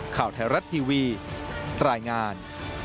ข่าวแทรศทีวีตรายงาน